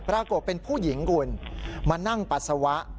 ปรากฏเป็นผู้หญิงคุณมานั่งปัสสาวะ